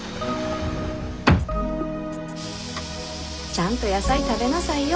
ちゃんと野菜食べなさいよ。